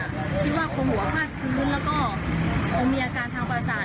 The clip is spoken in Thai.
คิดว่าคนหัวขาดคืนแล้วก็มีอาการทางภายศาสตร์